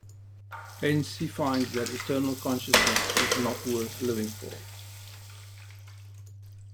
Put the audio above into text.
Hence, he finds that eternal consciousness is not worth living for.